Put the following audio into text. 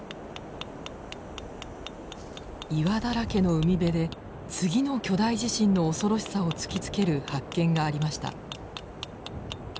岩だらけの海辺で次の巨大地震の恐ろしさを突きつける発見がありました。